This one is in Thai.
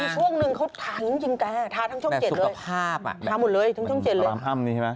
อ๋อช่วงหนึ่งเขาทาอย่างนี้จริงแกทาทั้งช่องเจ็ดเลยทาหมดเลยทั้งช่องเจ็ดเลย